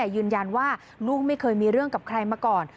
ยืนยันว่าลูกไม่เคยมีเรื่องกับใครมาก่อน